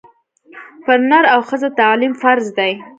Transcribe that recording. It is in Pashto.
پر نر او ښځه تعلیم فرض دی